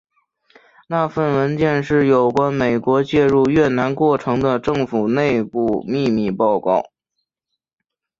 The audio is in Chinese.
那份文件是有关美国介入越南过程的政府内部秘密报告。